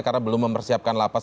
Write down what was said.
karena belum mempersiapkan lapas